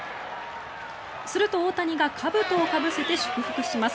すると大谷がかぶとをかぶせて祝福します。